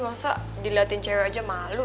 masa dilihatin cewek aja malu